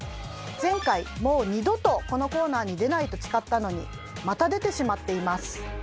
前回「もう二度とこのコーナーに出ない」と誓ったのにまた出てしまっています。